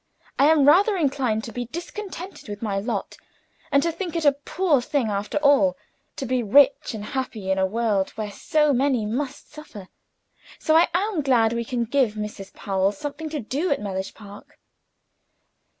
I am rather inclined to be discontented with my lot, and to think it a poor thing after all, to be rich and happy in a world where so many must suffer; so I am glad we can give Mrs. Powell something to do at Mellish Park."